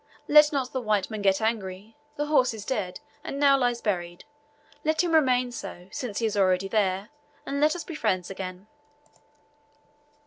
Let not the white man get angry. The horse is dead, and now lies buried; let him remain so, since he is already there, and let us be friends again."